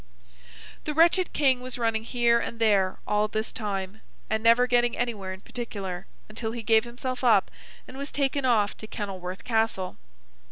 The wretched King was running here and there, all this time, and never getting anywhere in particular, until he gave himself up, and was taken off to Kenilworth Castle.